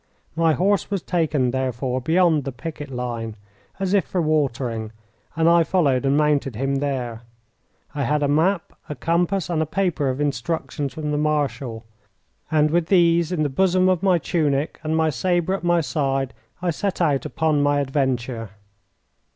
My horse was taken, therefore, beyond the picket line, as if for watering, and I followed and mounted him there. I had a map, a compass, and a paper of instructions from the Marshal, and with these in the bosom of my tunic and my sabre at my side I set out upon my adventure.